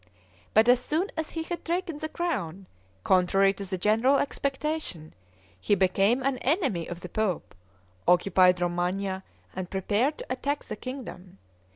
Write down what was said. But as soon as he had taken the crown, contrary to the general expectation, he became an enemy of the pope, occupied Romagna, and prepared to attack the kingdom.